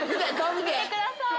見てください。